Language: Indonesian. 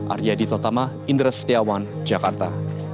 arya ditotama indra setiawan jakarta